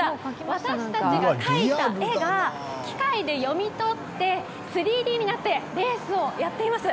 私たちが描いた絵を機械で読み取って３Ｄになって、レースをやっています